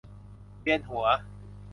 เวียนหัว